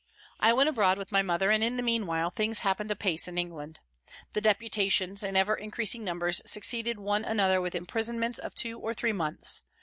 I went abroad with my mother, and in the mean while things happened apace in England. The deputations, in ever increasing numbers, succeeded one another with imprisonments of two or three months.